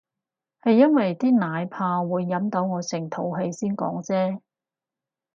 係因為啲奶泡會飲到我成肚氣先講啫